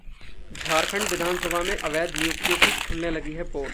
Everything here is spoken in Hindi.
झारखंड विधानसभा में अवैध नियुक्तियों की खुलने लगी है पोल